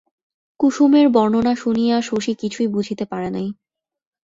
কুসমের বর্ণনা শুনিয়া শশী কিছুই বুঝিতে পারে নাই।